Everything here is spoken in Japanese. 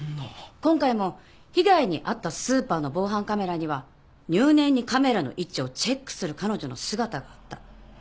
今回も被害に遭ったスーパーの防犯カメラには入念にカメラの位置をチェックする彼女の姿があった。